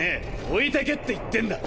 「置いてけ」って言ってんだ！